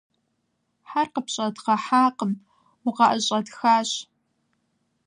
- Хьэр къыпщӏэдгъэхьакъым, укъыӏэщӏэтхащ.